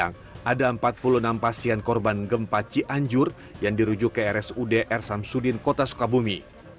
pada saat selasa siang ada empat puluh enam pasien korban gempa cianjur yang dirujuk ke rsud ersam sudin kota sukabumi